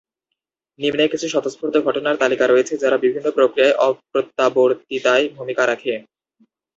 নিম্নে কিছু স্বতঃস্ফূর্ত ঘটনার তালিকা রয়েছে যারা বিভিন্ন প্রক্রিয়ার অপ্রত্যাবর্তীতায় ভূমিকা রাখে।